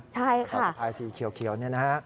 ใช่ค่ะเอาสะพายสีเขียวนี่นะฮะ